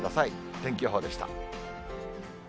天気予報でした。